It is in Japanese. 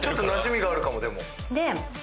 なじみがあるかもでも。